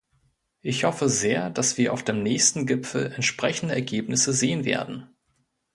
Ich hoffe sehr, dass wir auf dem nächsten Gipfel entsprechende Ergebnisse sehen werden.